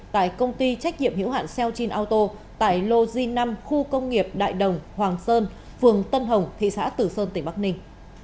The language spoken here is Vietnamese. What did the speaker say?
tại công ty trách nhiệm hiểu hạn seochin aoto tại lô g năm khu công nghiệp đại đồng hoàng sơn phường tân hồng thị xã tử sơn tỉnh bắc ninh